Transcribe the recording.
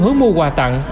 xu hướng mua quà tặng